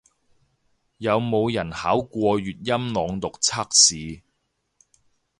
有冇人考過粵音朗讀測試